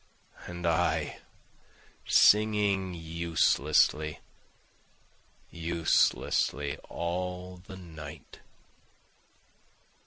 And I singing uselessly, uselessly all the night.